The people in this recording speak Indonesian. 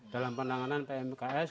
dalam penanganan pmks